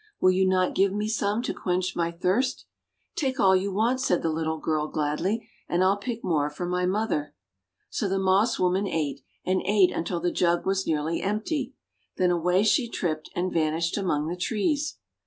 Will you not give me some to quench my thirst?' "Take all you want," said the little girl gladly, "and I'll pick more for my mother.'5 So the Moss Woman ate, and ate until the jug was nearly empty; then away she tripped, and vanished among the trees.